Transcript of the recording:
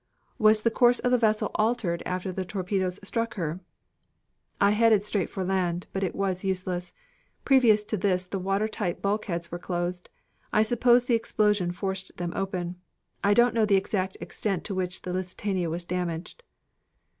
"Was the course of the vessel altered after the torpedoes struck her?" "I headed straight for land, but it was useless. Previous to this the watertight bulkheads were closed. I suppose the explosion forced them open. I don't know the exact extent to which the Lusitania was damaged."